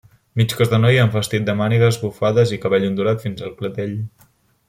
Mig cos de noia amb vestit de mànigues bufades i cabell ondulat fins al clatell.